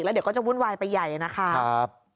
เลยเอาจริงมากนะ